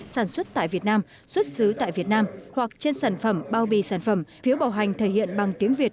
sản xuất tại việt nam xuất xứ tại việt nam hoặc trên sản phẩm bao bì sản phẩm phiếu bảo hành thể hiện bằng tiếng việt